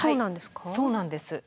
そうなんですか？